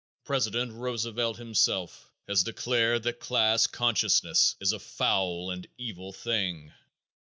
President Roosevelt himself has declared that class consciousness is a foul and evil thing.